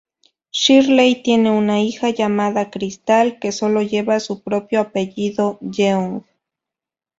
Shirley tiene una hija llamada Krystal, que sólo lleva su propio apellido, Yeung.